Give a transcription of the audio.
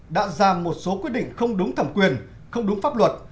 đã ra một số quyết định không đúng thẩm quyền không đúng pháp luật